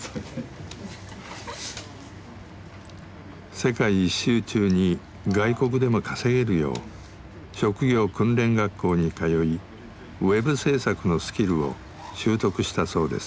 世界一周中に外国でも稼げるよう職業訓練学校に通いＷＥＢ制作のスキルを習得したそうです。